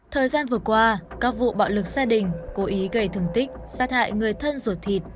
thời gian vừa qua các vụ bạo lực gia đình cố ý gây thương tích sát hại người thân ruột thịt